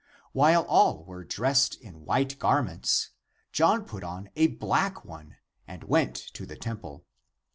While all were dressed in white garments, John put on a black one and went to the temple.